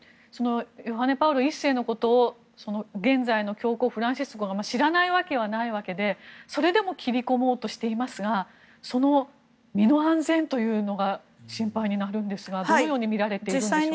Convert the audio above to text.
ヨハネ・パウロ１世のことを現在の教皇、フランシスコも知らないわけはないのでそれでも切り込もうとしていますが身の安全というのが心配になるんですがどのようにみられているのでしょうか。